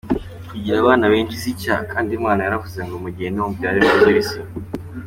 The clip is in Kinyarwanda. Kugira abana benshi si icyaha kandi Imana yaravuze ngo mugende mubyare mwuzure isi.